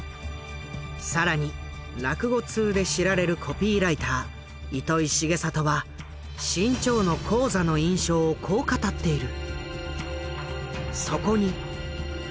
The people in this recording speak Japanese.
更に落語通で知られるコピーライター糸井重里は志ん朝の高座の印象をこう語っている。